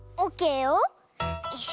よし。